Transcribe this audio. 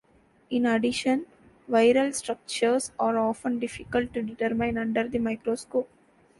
In addition, viral structures are often difficult to determine under the microscope.